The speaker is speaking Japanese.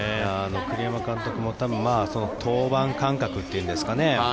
栗山監督も多分登板間隔というんですかね